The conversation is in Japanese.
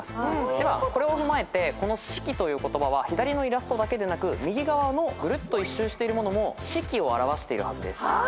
ではこれを踏まえてこの「シキ」という言葉は左のイラストだけでなく右側のぐるっと１周してるものも「シキ」を表しているはずです。